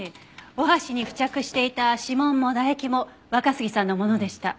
お箸に付着していた指紋も唾液も若杉さんのものでした。